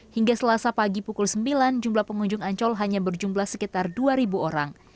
hingga selasa pagi pukul sembilan jumlah pengunjung ancol hanya berjumlah sekitar dua orang